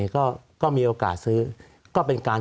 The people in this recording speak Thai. สวัสดีครับทุกคน